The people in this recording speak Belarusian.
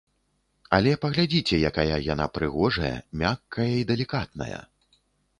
Але паглядзіце, якая яна прыгожая, мяккая і далікатная!